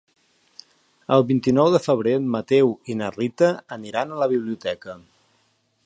El vint-i-nou de febrer en Mateu i na Rita aniran a la biblioteca.